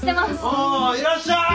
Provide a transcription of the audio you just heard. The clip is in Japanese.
ああいらっしゃい！